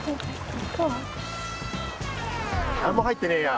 何も入ってねえや。